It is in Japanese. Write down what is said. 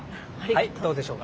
はいどうでしょうか？